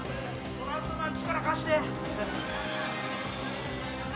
トランプマン、力貸して！